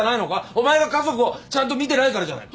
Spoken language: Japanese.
お前が家族をちゃんと見てないからじゃない。